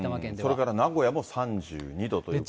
それから名古屋も３２度ということで。